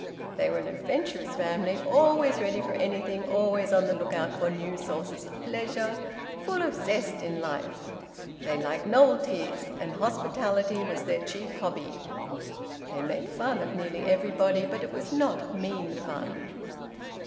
They were an adventurous family, always ready for anything, always on the look out for new sources of pleasure, full of zest in life. They liked novelties, and hospitality was their chief hobby. They made fun of nearly every body, but it was not mean fun.